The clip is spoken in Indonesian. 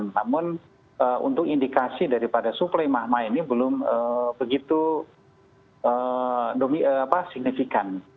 namun untuk indikasi daripada suplema ini belum begitu signifikan